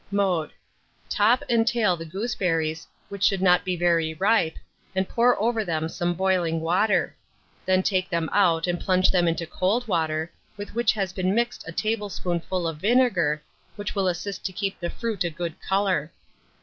Mode. Top and tail the gooseberries, which should not be very ripe, and pour over them some boiling water; then take them out, and plunge them into cold water, with which has been mixed a tablespoonful of vinegar, which will assist to keep the fruit a good colour.